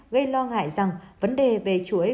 gây lo ngại rằng vấn đề về chuỗi